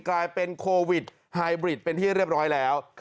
กลายเป็นโควิดไฮบริดเป็นที่เรียบร้อยแล้ว